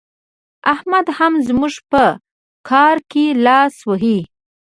احمد هم زموږ په کار کې لاس وهي.